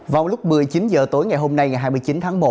vào lúc một mươi chín h tối ngày hôm nay ngày hai mươi chín tháng một